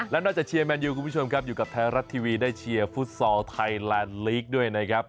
และนอกจากเชียร์แมนยูคุณผู้ชมครับอยู่กับไทยรัฐทีวีได้เชียร์ฟุตซอลไทยแลนด์ลีกด้วยนะครับ